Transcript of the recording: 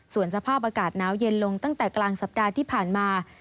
ส่วนสภาพอากาศหนาวเย็นลงตั้งแต่กลางสัปดาห์ที่ผ่านมา